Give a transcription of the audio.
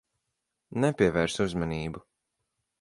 Nepievērs uzmanību.